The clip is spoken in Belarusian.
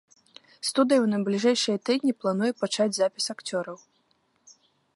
Студыя ў найбліжэйшыя тыдні плануе пачаць запіс акцёраў.